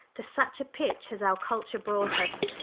To such a pitch has our culture brought us!